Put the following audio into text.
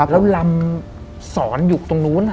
แล้วลำสอนอยู่ตรงนู้น